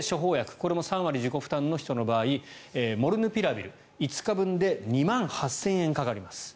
これも３割自己負担の人の場合モルヌピラビル、５日分で２万８０００円かかります。